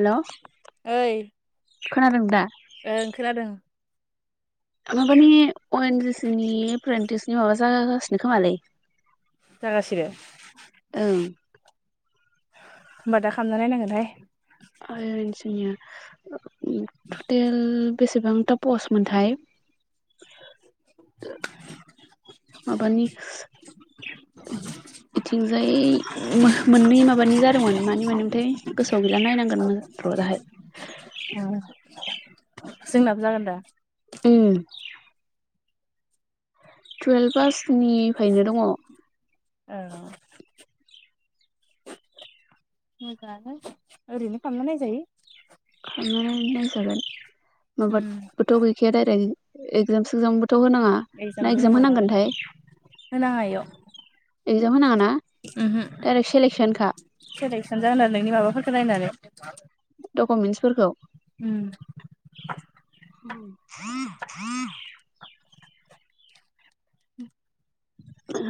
हेल' ओइ खोनादों दा ओ ओं खोनादों माबानि अ एनज सि नि एप्रेन्टिक्सनि माबा जागासिनो खोमालै जाखाासिनो ओं होमबा दा खालामना नायनांगोनहाय [unintelligible] आरो जो टटेल बेसेबांथा पस मोनथाय माबानि यिथिंजाय मोननै माबानि जादोंमोन मानि मानिमोनथाय गोसोआव गैला नायनांगोन [unintelligible] दाहाय जोंनाबो जागोन दा ओम टुवेल्भ पासनिफ्रायनो दङ औ मोजाङानो ओरैनो खालामना नायजायो खालामनानै नायजागोन उम माबाबोथ' गैखाया डाइरेक्ट एक्जाम सेक्जामबोथ थ' होनाङा ना एगजामबो इक्जाम होनाङा माबो होनांगोनथाय नाङा होनाङा इयाव एक्जाम होनाङा ना ओमहो डाइरेक्ट सेलेकसनखा सेलेकसन जागोन आरो नोंनि माबाफोरखौ नायनानै दकमेन्टसफोरखौ उम [inaudible]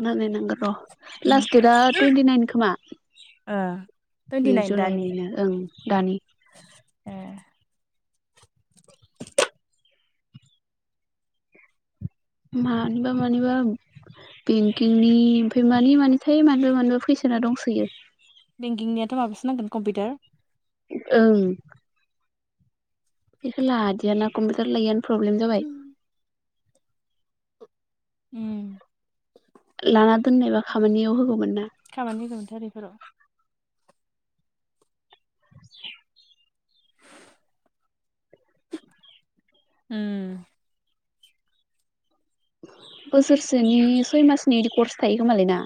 नायनांगोन र' उम लास्ट डेटआ टुइन्टिनाइन खोमा ओ टुइन्टि नै नाइन दानि जुलाइनिनो ओं दानि ए [inaudible] मानिबा मानिबा बेंकिंनि ओमफाय मानि मानिथाय मानिबा मानिबा फैसोना दंसोयो बेंकिंनियाथ' माबासो नांगोन कम्पिउटार ओं बेखौ लादियाना कम्पिउटार लायैयनो प्रब्लेम जाबाय उम लाना दोननायबा खामानियाव होगौमोन ना खामानि होगौमोनथ' आरो एफोराव [inaudible] उम बोसोरसेनि सय मासनि बिदि कर्स थायो खोमालै ना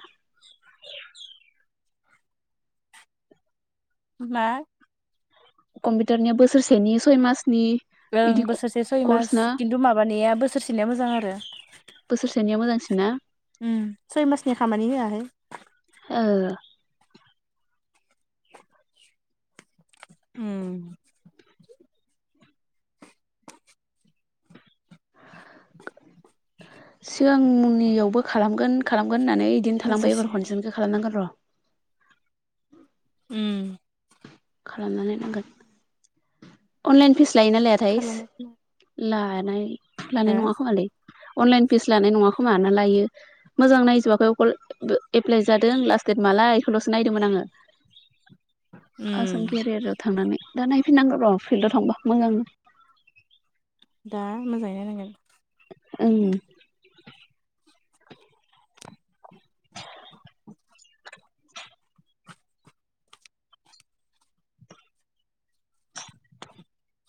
मा कम्पिउटारनिया बोसोरसेनि सय मास ओं बोसोरसे सय मास किन्थु माबानाया बोसोरसेनिया मोजां आरो बोसोरसेनिया मोजांसिन ना उम सय मासनि खामानि होआहाय ओ उम [unintelligible] सिगांनियावबो खालामगोन खालामगोन होननानै बिदिनो थालांबाय एबार खनसेनिखौ खालामनांगोन र' उम खालामना नायनांगोन अनलाइन फिस लायो ना लायाथाय खालामो हो लानाय लानाय नङा खोमालै अनलाइन फिस लानाय नङा खोमा लायो मोजां नायजोबाखै अकल एप्लाइ जादों लास्ट देट मालाय बेखौल'सो नायदोंमोन आङो आसाम केरियाराव थांनानै दा नायफिननांगौ र' फिल्डआव थांबा मोजांनो दा मोजाङैनो नायनांगोन ओं [unintelligible] [unintelligible]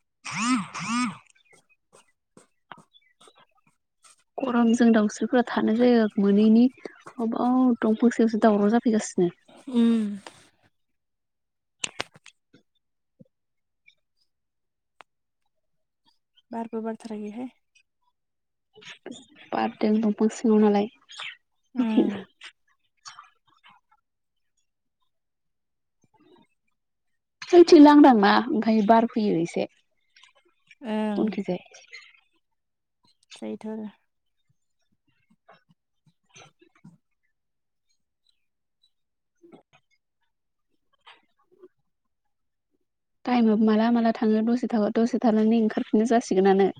[unintelligible] गरमजों दाउस्रिफोरा थानाय जायो मोनैनि अबाव दंफांसेयावसो दावराव जाफैगासिनो उम बारबो बारथाराखैहाय बारदों दंफां सिङाव नालाय ओं जोंनिथिं लांदां ना ओंखायनो बार फैयो एसे उनखि जाय जायोथ' आरो टाइमआबो माला माला थाङो दसे था दसे थानानै ओंखारफिननो जासिगोनानो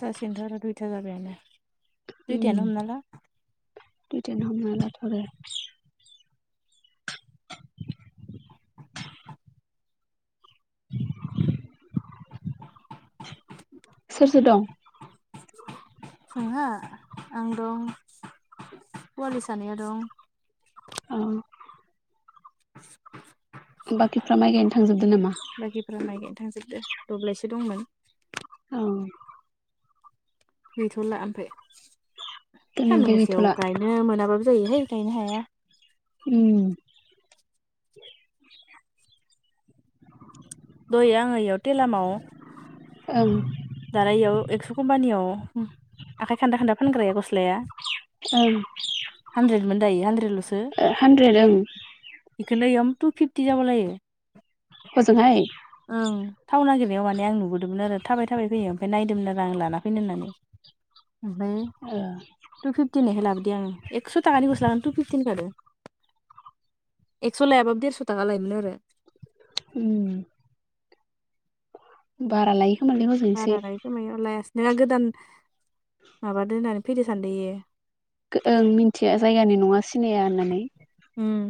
जासिगोनथ' आरो दुइथा जाबायानो दुइथायानो हमना ला दुइटायानो हमना लाथ' आरो [unintelligible] सोर सोर दं जोंहा आं दं पवालि सानैया दं औ [unintelligible] बाखिफ्रा माइ गायनो थांजोबदो नामा बाखिफोरा माइ गायनो थांजोबदो दब्लायसो दंमोन औ गैथ'ला ओमफ्राय सान्दुं दिनैनिफ्राय गोसायाव गैथ'ला गायनो मोनाबाबो जायोहाय गायनो हाया उम दहाय आङो इयाव थेलामाव ओं दालाय इयाव एक्स' कम्पानियाव आखाइ खान्दा खान्दा फानग्राया गस्लाया ओं हानद्रेदमोन दायो हानद्रेदल'सो हानद्रेद ओं बेखौनो इयाव टु फिफ टि जाबालायो हजोंहाय ओं थाव नागिरनायाव माने आं नुबोदोंमोन आरो थाबाय थाबाय फैयो ओमफ्राय नायदोंमोन आरो आं लाना फैनो होननानै [inaudible] ओमफ्राय ओ टु फिफ्टिनिखो लाबोदो आङो एक्स' थाखानि गस लानानै टु फिफटिन खादो एक्स लायाबाबो देरस थाखा लायोमोन आरो उम बारा लायो खोमालै हजों एसे बारा लायो गोमायाव लायासै नङा गोदान माबादो होननानै फैद सानदों इयो ओं मिथिया जायगानि नङा सिनाया होननानै उम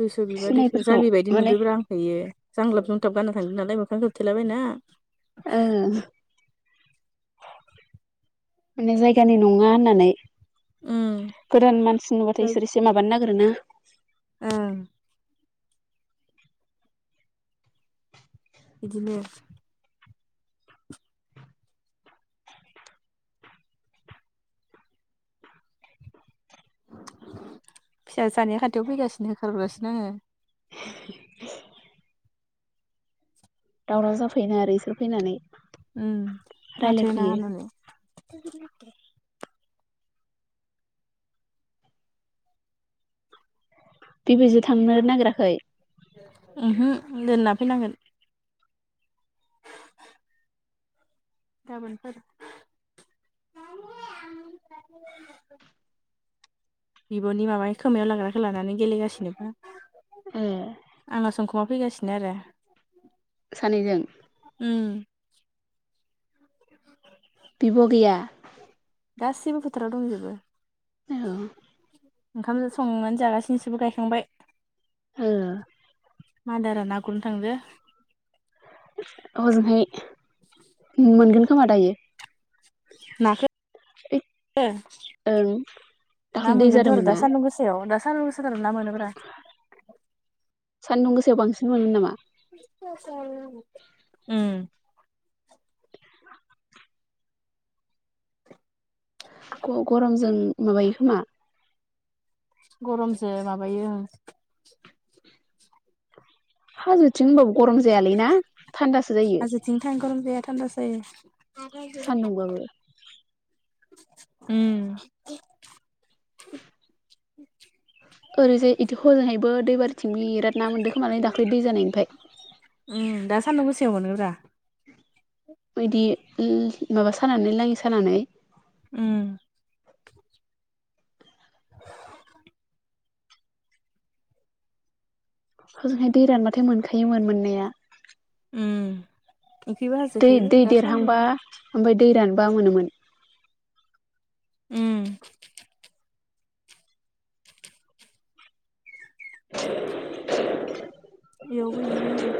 दुइस बिबा दुइस सिनायफोरखौ जामिबायायदि माने नुदोंब्रा आंखो इयो जांलाब जुंथ्लाब गाना थाङोन नालाय मोखांखौ खिथलाबायना ओ माने जायगानि नङा होननानै उम गोदान मानसि नुबाथाय जाय इसोर एसे माबानो नागिरोनो ओं बिदिनोे फिसा सानै खाथियाव फैगासिनो होखारगासिनो आङो दावराव जाफैनो आरो इसोर फैनानै उम माथो होनाङा रायलायफैयो होननानै बेबायदि थांनो नागिराखै उहो दोनना फैनांगोन गाबोनफोर [inaudible] बिबनि माबानि खोमायाव लाग्राखौ लानानै गेलेगासिनोबो ए आंना सोंखुमा फैगासिनो आरो सानैजों उम [inaudible] बिब गैया गासैबो फोथाराव दंजोबो औ ओंखाम संनानै जागासिनोसोबो गायखांबाय ओ मा होनो आरो ना गुरनो थादों हजोंहाय मोनगोन खोमा दायो नाखो ओइ ओं ना दाख्लै दै मोनगोनथ जादोंमोन आरो दा ना सान्दुं गोसायाव द सानदुं गोसाबा ना मोनोब्रा सान्दुं गोसायाव बांसिन मोनो नामा उम गरमजों माबायो खोमा गरमजों माबायो हाजोथिं होनबाबो गरम जायालैना थान्दासो जायो हाजोथिं थां गरम जाया थान्दासो जायो सान्दुंबाबो उम ओरैजाय इदि हजोंहैबो दैबारिथिंबो बिराद ना मोनदों खोमालाय दाख्लै दै जानायनिफ्राय उम दा सान्दुं गोसेआव मोनोब्रा बिदि माबा सानानै लाङि सानानै उम [inaudible] हजोंहाय दै रानबाथाय मोनखायोमोन मोननाया ओ उखैबा दै हाजोखो दै द देरहांबा सान्दोंमोन ओमफ्राय दै रानबा मोनोमोन उम [inaudible] बेयाव इदिनो आरो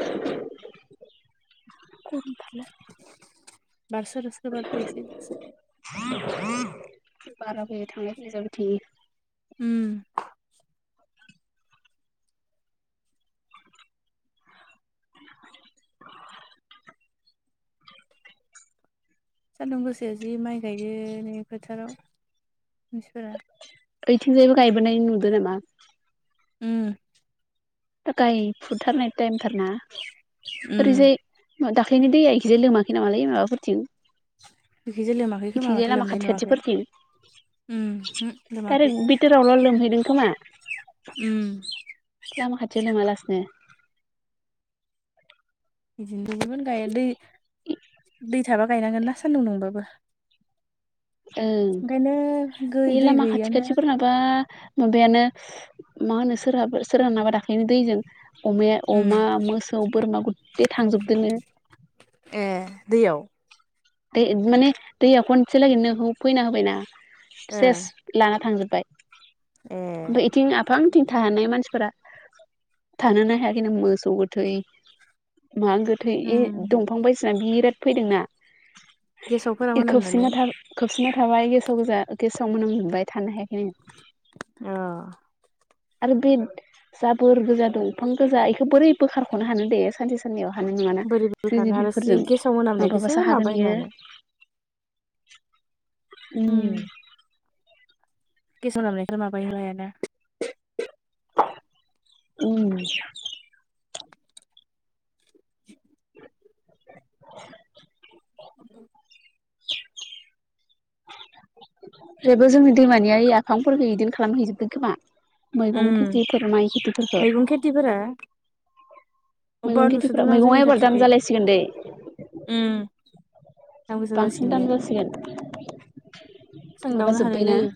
[unintelligible] बारस रसखौ बद इसै दासो बाराबो थांलाय फैलाय जाबाय थायो उम सानदुं गोसायाव जि माइ गायदों नै फोथाराव मानसिफोरा ओइथिंजायबो गायबोनाय नुदो नामा ओ गाय फुथारनाय टाइमथारना ओरैजाय दाख्लैनि दैया इखिजाया लोङाखै नामालै माबाफोरथिं बेखैजाय लोमाखै खोमा इथिंजाय माथो लामा लोमनाय खाथि नुवाखै खाथिफोरथिं लोमाखै दारेक बिथोरावल' लोमहैदों खोमा उम लामा खाथियाव लोमालासिनो बिदिनो दुबोमोन ग दै दै थाबा गायनांगोन ना सान्दुं दुंबाबो ओं ओंखायनो गै बे दै लामा खाथि गैयियानो खाथिफोरनाबा माबायानो मा होनो सोरहाबो सोरहा नाबा दाख्लैनो दैजों अमाया अमा मोसौ बोरमा गे थांजोबदङो ए दैयाव दै माने दैया खनसे लागैनो फैना होबायना ओ सेस लाना थांजोबबाय ए ओमफ्राय इथिं आफां बिथिं थानायानाय मानसिफोरा थानोनो हायाखै न मोसौ गोथै मा गोथै ए दंफां बायसिना बिराद फैदोंना गेसावफोरा मोनाम नानैलाय साबसिनना थाबाय गेसाव गोजा गेसाव मोनां मोनबाय थानो हायाखै अ आरो बे जाबोर गोजा दंफां गोजा बेखौ बोरै बोखारारख'नो हानो दे सानसे साननैयाव हानाय नङा ना बोरै बोखानो आरो गेसाव मोनामनायखौ सोर हागोन माबायो बियो नालाय गेसाव नालाय ओमफ्राय माबैबायानो उम [inaudible] [inaudible] [inaudible] जेबो जोंनि दैमानिया आफांफोरखौ बिदिनो खालामहैजोबबाय खोमा मैगं उम खेथि फोर माय खेथिफोरखौ मैगं खेथिफोरा अबेबा मैगं खेथिफोरा नुसोदोंमोन आं मैगङा जोंनि एबार दाम खाथिखै जालायसिगोन दैे दाम गोसा बांसिन जासिगोन दाम बेयो जासिगोन माबा सोंदावनो जोब्बायना हालायलायो